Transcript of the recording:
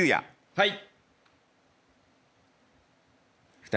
はい。